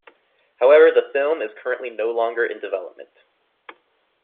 However, the film is currently no longer in development.